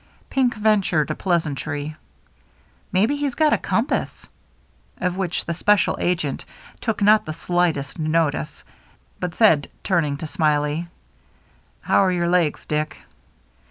Pink ventured a pleasantry, " Maybe he's got a compass," of which the special agent took not the slightest notice ; but said, turning to Smiley, " How are your legs, Dick